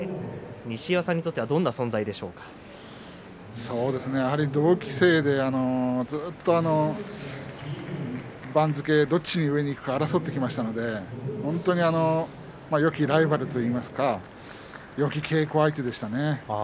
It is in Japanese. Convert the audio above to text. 西岩さんにとってはやはり同期生でずっと番付をどっち上にいくのか争ってきましたので本当によきライバルといいますかよき稽古相手でしたね。